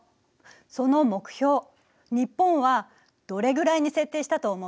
その目標日本はどれぐらいに設定したと思う？